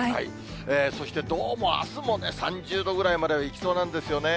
そしてどうもあすもね、３０度ぐらいまではいきそうなんですよね。